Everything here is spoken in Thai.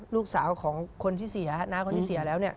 ลูกสาวของคนที่เสียน้าคนที่เสียแล้วเนี่ย